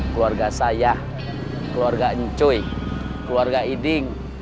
keluarga saya keluarga encoy keluarga iding